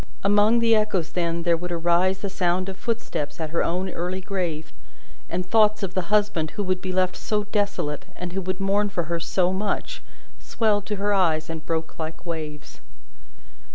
Among the echoes then, there would arise the sound of footsteps at her own early grave; and thoughts of the husband who would be left so desolate, and who would mourn for her so much, swelled to her eyes, and broke like waves.